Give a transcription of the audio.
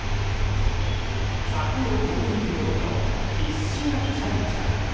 柵を通り抜けようと必死なチャウチャウ。